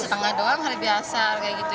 setengah doang hari biasa kayak gitu